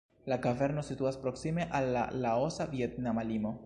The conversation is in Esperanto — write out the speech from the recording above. La kaverno situas proksime al la Laosa-Vjetnama limo.